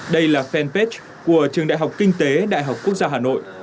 đây là fanpage của trường đại học kinh tế đại học quốc gia hà nội